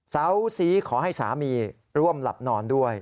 เสาสีขอให้สามีร่วมหลับนอนด้วย